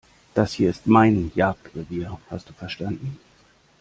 Das hier ist mein Jagdrevier, hast du verstanden?